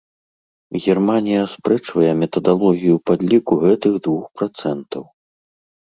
Германія аспрэчвае метадалогію падліку гэтых двух працэнтаў.